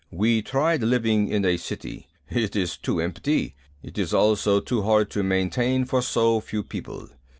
"We tried living in a city. It is too empty. It is also too hard to maintain for so few people.